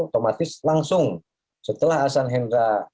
otomatis langsung setelah hasan hendra